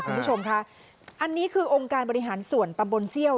คุณผู้ชมค่ะอันนี้คือองค์การบริหารส่วนตำบลเซี่ยว